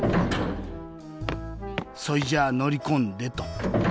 そいじゃあのりこんでと。